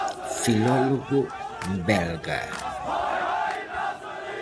Filólogo belga.